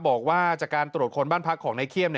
บอกว่าจากการตรวจคนบ้านพักของนายเขี้ยม